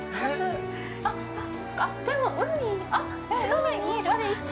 あっ、でも、あっ海。